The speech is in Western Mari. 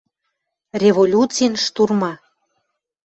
революцин штурма